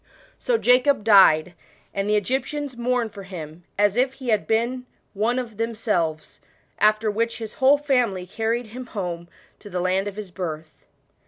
'* So Jacob died, and the Egyptian? mourned for him, as if he had been one of themselves ; which his whole family carried him home to land of his birth.